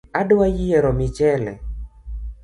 Adwa yiero michele